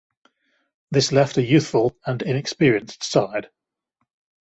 This left a youthful and inexperienced side.